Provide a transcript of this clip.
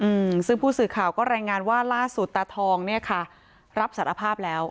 อืมซึ่งผู้สื่อข่าวก็รายงานว่าล่าสุดตาทองเนี้ยค่ะรับสารภาพแล้ว